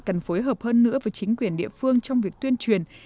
cần phối hợp hơn nữa với chính quyền địa phương trong việc tuyên truyền